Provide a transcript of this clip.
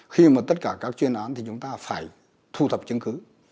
khi mà tất cả các chuyên án thì chúng ta phải thu thập chứng cứ